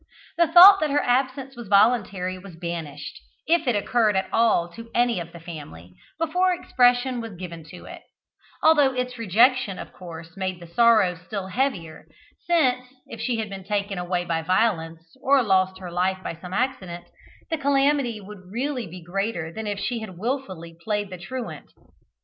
The thought that her absence was voluntary was banished, if it occurred at all to any of the family, before expression was given to it; although its rejection of course made the sorrow still heavier, since if she had been taken away by violence, or lost her life by some accident, the calamity would really be greater than if she had wilfully played the truant.